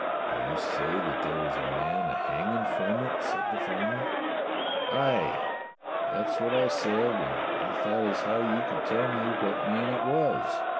"And you say that there was a man a hangin' from it.f^ " said the farmer. "Aye, that's what I said, and I thought as how you could tell me what man it was."